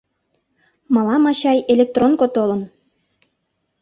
Мылам, ачай, электронко толын.